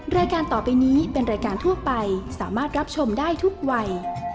รายการต่อไปนี้เป็นรายการทั่วไปสามารถรับชมได้ทุกวัย